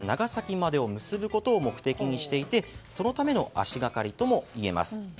将来的には新大阪から長崎までを結ぶことを目的にしていてそのための足掛かりとも言えます。